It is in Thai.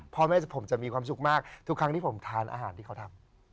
พ่อแม่ผมจะมีความสุขมากทุกครั้งที่ผมทานอาหารที่เขาทำ